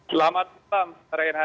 selamat malam pak rehar